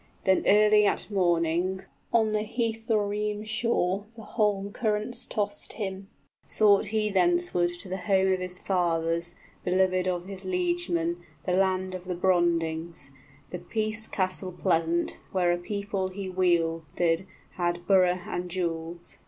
Then early at morning On the Heathoremes' shore the holm currents tossed him, Sought he thenceward the home of his fathers, Beloved of his liegemen, the land of the Brondings, The peace castle pleasant, where a people he wielded, 25 Had borough and jewels.